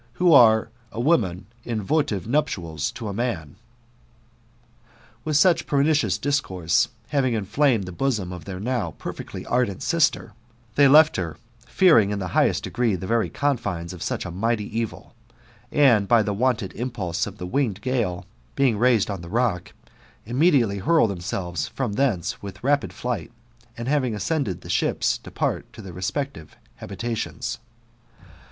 who are a woihan, in votive nuptials to a man/^ With such pernicious discourse, having ihffaiitied the 6osonii of their now perfectly ardent sister, they left hef^ fearing in the highest degree the very confines of such a mighty evil ; and hy the wonted impulse of the winged g^le, b^ihg raised on.th^ rock, immediately hurl themselves from thence with lapid fligTkt, and, having ascended the ships, depart to their Respective habitations.